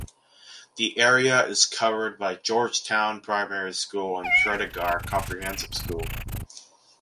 The area is covered by Georgetown Primary School and Tredegar Comprehensive School.